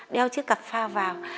đeo chiếc cặp phao vào